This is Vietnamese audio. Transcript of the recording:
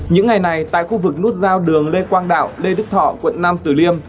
những ngày này tại khu vực nút giao đường lê quang đạo lê đức thọ quận nam tử liêm